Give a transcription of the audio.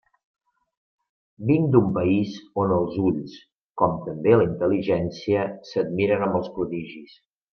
Vinc d'un país on els ulls, com també la intel·ligència, s'admiren amb els prodigis.